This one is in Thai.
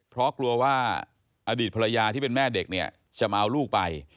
เพราะกลัวว่าอดีตภรรยาที่เป็นแม่เด็กเนี่ยจะมาเอาลูกไป